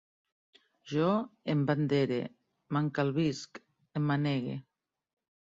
Jo embandere, m'encalbisc, emmanegue